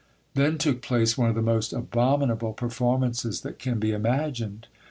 Then took place one of the most abominable performances that can be imagined.